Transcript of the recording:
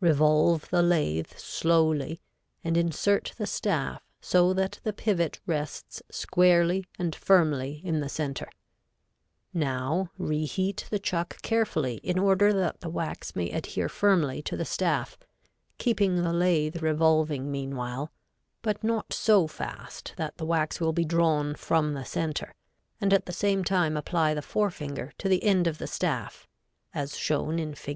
Revolve the lathe slowly and insert the staff so that the pivot rests squarely and firmly in the center. Now re heat the chuck carefully in order that the wax may adhere firmly to the staff, keeping the lathe revolving meanwhile, but not so fast that the wax will be drawn from the center, and at the same time apply the forefinger to the end of the staff, as shown in Figs.